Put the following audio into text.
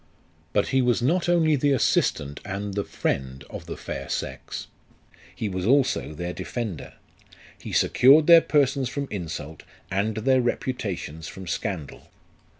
But he was not only the assistant and the friend of the fair sex ; he was also their defender. He secured their persons from insult, and their repu tations from scandal.